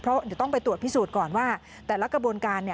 เพราะเดี๋ยวต้องไปตรวจพิสูจน์ก่อนว่าแต่ละกระบวนการ